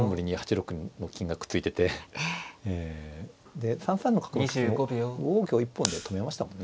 で３三の角の利きを５五香一本で止めましたもんね。